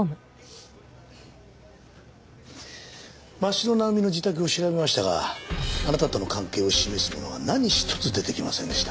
松代成実の自宅を調べましたがあなたとの関係を示すものは何一つ出てきませんでした。